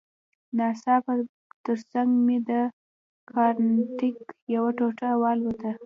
ناڅاپه ترڅنګ مې د کانکریټ یوه ټوټه والوته